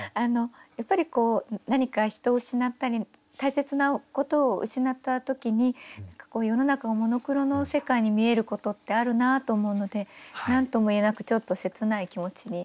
やっぱり何か人を失ったり大切なことを失った時に世の中がモノクロの世界に見えることってあるなと思うので何とも言えなくちょっと切ない気持ちに。